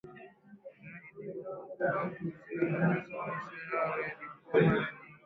kama ilikuwa kwa ubaguzi na mateso Maisha yao yalikuwa mara nyingi